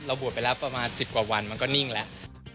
เราบวชไปแล้วประมาณสิบกว่าวันมันก็นิ่งแหละ